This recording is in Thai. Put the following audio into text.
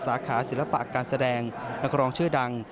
สาขาศิลปะการแสดงนักร้องชื่อดัง